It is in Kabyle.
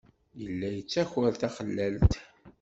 Yella yettaker taxlalt.